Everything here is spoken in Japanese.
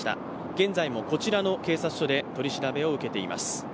現在も、こちらの警察署で取り調べを受けています。